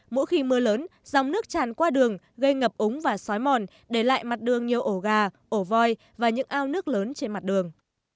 mỗi khi mưa lớn dòng nước tràn qua đường gây ngập úng và xói mòn để lại mặt đường nhiều ổ gà ổ voi và những ao nước lớn trên mặt đường